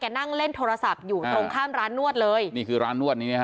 นั่งเล่นโทรศัพท์อยู่ตรงข้ามร้านนวดเลยนี่คือร้านนวดนี้นะฮะ